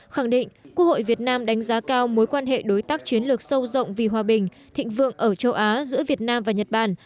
khẳng định quốc hội việt nam đánh giá cao mối quan hệ đối tác chiến lược sâu rộng vì hòa bình thịnh vượng ở châu á giữa việt nam và nhật bản